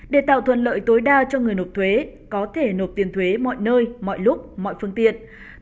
để tạo thuận lợi tối đa cho người nộp thuế có thể nộp tiền thuế mọi nơi